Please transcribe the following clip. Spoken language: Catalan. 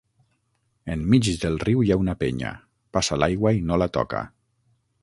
Enmig del riu hi ha una penya, passa l’aigua i no la toca;